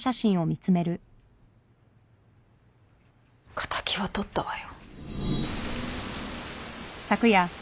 敵はとったわよ。